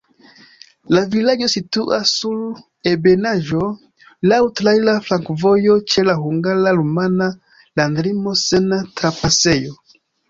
La vilaĝo situas sur ebenaĵo, laŭ traira flankovojo, ĉe la hungara-rumana landlimo sen trapasejo.